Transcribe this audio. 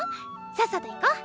さっさと行こ？